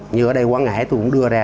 như ở đây quảng ngãi tôi cũng đưa ra